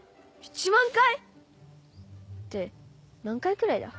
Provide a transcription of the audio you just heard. １万回⁉って何回くらいだ？